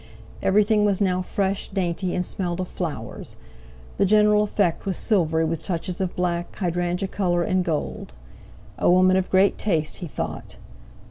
Everything was now fresh, dainty, and smelled of flowers. The general effect was silvery with touches of black, hydrangea colour, and gold. "A woman of great taste," he thought.